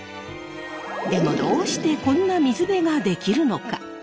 でもどうしてこんな水辺ができるのか。